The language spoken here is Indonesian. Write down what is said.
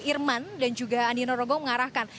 irman dan juga andina rogong mengarahkan